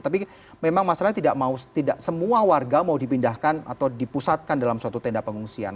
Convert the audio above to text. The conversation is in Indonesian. tapi memang masalahnya tidak mau tidak semua warga mau dipindahkan atau dipusatkan dalam suatu tenda pengungsian